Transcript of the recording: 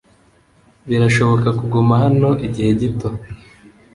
Birashoboka kuguma hano igihe gito?